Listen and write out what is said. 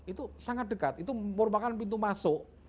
itu sangat dekat itu merupakan pintu masuk